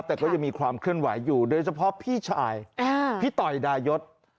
แต่ก็ยังมีความเคลื่อนไหวอยู่โดยเฉพาะพี่ชายพี่ต่อยดายศ